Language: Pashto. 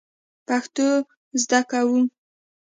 پښتو زده کوو